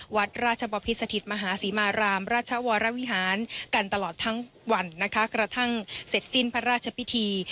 วัดราชบพิษสถิตมหาศรีมารามราชวรวิหารกันตลอดทั้งวันนะคะกระทั่งเสร็จสิ้นพระราชพิธี